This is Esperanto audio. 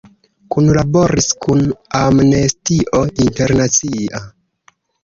Kunlaboris kun Amnestio Internacia.